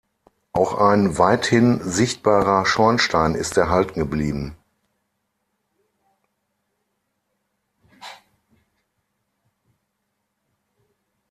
Auch ein weithin sichtbarer Schornstein ist erhalten geblieben.